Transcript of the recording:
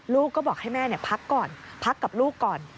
ลูกก็บอกให้แม่พักก่อนพักกับลูกก่อน